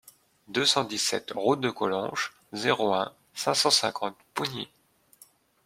deux cent dix-sept route de Collonges, zéro un, cinq cent cinquante Pougny